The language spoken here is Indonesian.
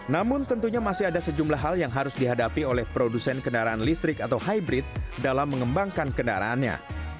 namun tentunya masih ada sejumlah hal yang harus dihadapi oleh produsen kendaraan listrik atau hybrid dalam mengembangkan kendaraannya